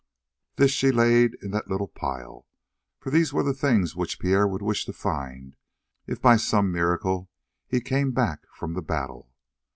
This she laid in that little pile, for these were the things which Pierre would wish to find if by some miracle he came back from the battle.